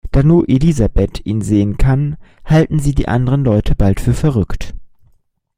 Da nur Elizabeth ihn sehen kann, halten sie die anderen Leute bald für verrückt.